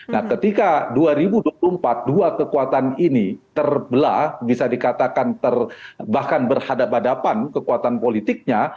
nah ketika dua ribu dua puluh empat dua kekuatan ini terbelah bisa dikatakan ter bahkan berhadapan hadapan kekuatan politiknya